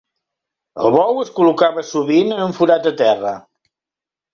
El bou es col·locava sovint en un forat a terra.